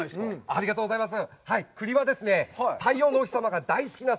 ありがとうございます！